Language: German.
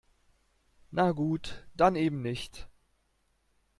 Na gut, dann eben nicht.